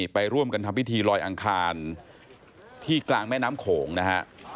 ไปร่วมกันทำพิธีลอยอังคารที่กลางแม่น้ำโขงนะฮะ